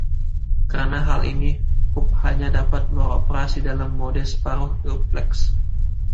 Karena hal ini, hub hanya dapat beroperasi dalam mode separuh dupleks.